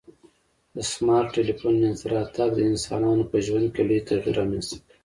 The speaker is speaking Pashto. د سمارټ ټلیفون منځته راتګ د انسانانو په ژوند کي لوی تغیر رامنځته کړ